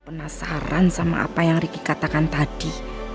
penasaran sama apa yang ricky katakan tadi